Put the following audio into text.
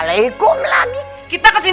dia kudu tanggung jawab ya gak